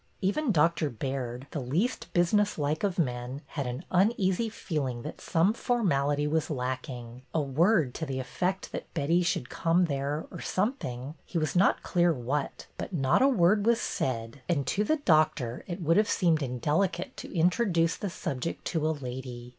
Even Dr. Baird, the least business like of men, had an uneasy feeling that some formality was lacking, a word to the effect that Betty should come there, or something, he was not clear what; but not a word was said, and to the doctor it 28 o BETTY BAIRD'S VENTURES would have seemed indelicate to introduce the subject to a lady.